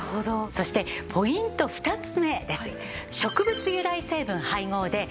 そしてポイント２つ目です。